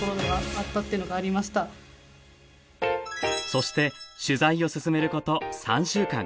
そして取材を進めること３週間。